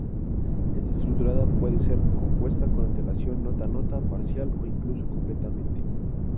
Esta estructura puede ser compuesta con antelación nota a nota, parcial o incluso completamente.